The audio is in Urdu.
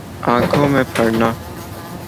آنکھوں میں پھرنا